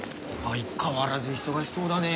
相変わらず忙しそうだね。